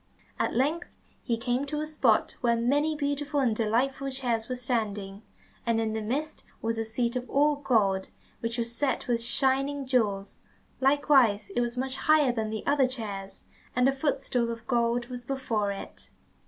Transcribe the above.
At length he came to a spot where many beautiful and delightful chairs were standing, and in the midst was a seat all of gold which was set with shining jewels, likewise it was much higher than the other chairs, and a footstool of gold was before it.